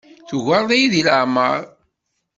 Tugareḍ-iyi deg leɛmeṛ.